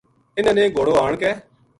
اِنھاں نے گھوڑو آن کے